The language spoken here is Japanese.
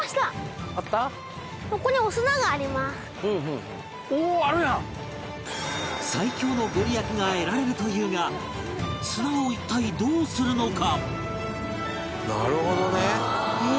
いよいよ最強のご利益が得られるというが砂を一体どうするのか？